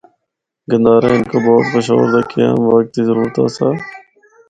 گندھارا ہندکو بورڈ پشور دا قیام وقت دی ضرورت آسا۔